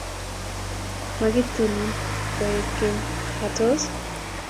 magitunin koek keny?matos?